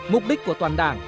mục đích của toàn đảng